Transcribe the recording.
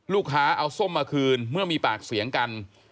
ลูกค้าเอาส้มมาคืนเมื่อมีปากเสียงกัน